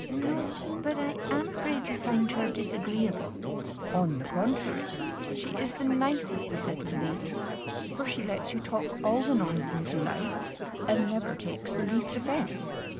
"No; but I am afraid you find her disagreeable." "On the contrary, she is the nicest of little ladies; for she lets you talk all the nonsense you like, and never takes the least offence."